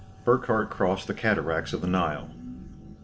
Burckhardt crossed the cataracts of the Nile.